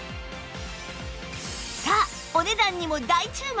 さあお値段にも大注目